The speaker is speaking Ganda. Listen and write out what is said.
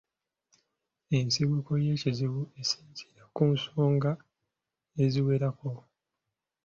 Ensibuko y’ekizibu esinziira ku nsonga eziwerako.